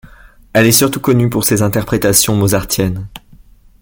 Elle est surtout connue pour ses interprétations mozartiennes.